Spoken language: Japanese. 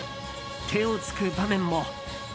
手をつく場面も。